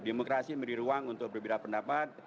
demokrasi memberi ruang untuk berbeda pendapat